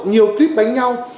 nhiều clip đánh nhau